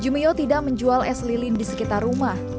jumio tidak menjual es lilin di sekitar rumah